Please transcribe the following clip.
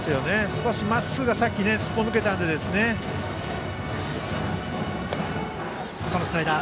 少しまっすぐがさっき、すっぽ抜けたのでスライダー。